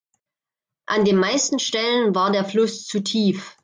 An den meisten Stellen war der Fluss zu tief.